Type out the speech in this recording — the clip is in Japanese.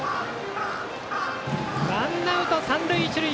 ワンアウト三塁一塁。